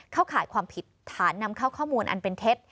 ข่ายความผิดฐานนำเข้าข้อมูลอันเป็นเท็จ